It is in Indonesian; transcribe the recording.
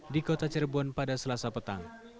di kota cirebon pada selasa petang